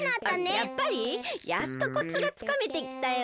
やっぱり？やっとコツがつかめてきたよ。